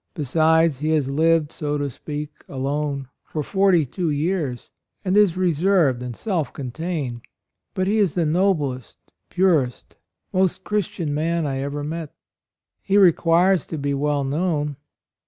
Besides he has lived, so to speak, alone, for forty two years, and he is reserved and self contained. But he is the noblest, purest, most Christian man I ever met. He AND MOTHER. 125 requires to be well known.